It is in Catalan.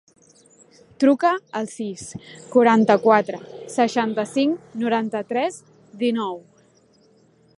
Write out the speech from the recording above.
Truca al sis, quaranta-quatre, seixanta-cinc, noranta-tres, dinou.